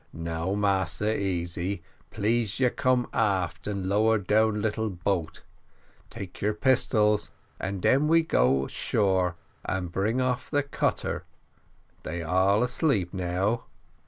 "Now, Massa Easy, please you come aft and lower down little boat; take your pistols and then we go on shore and bring off the cutter; they all asleep now."